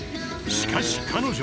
［しかし彼女］